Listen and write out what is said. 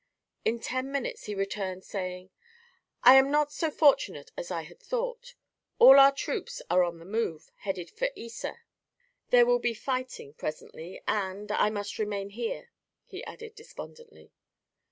In ten minutes he returned, saying: "I am not so fortunate as I had thought. All our troops are on the move, headed for the Yser. There will be fighting, presently, and I must remain here," he added despondently.